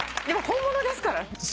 でも本物ですから。